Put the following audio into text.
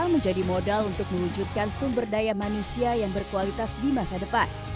menjadi modal untuk mewujudkan sumber daya manusia yang berkualitas di masa depan